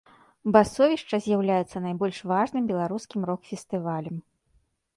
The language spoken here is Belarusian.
Басовішча з'яўляецца найбольш важным беларускім рок-фестывалем.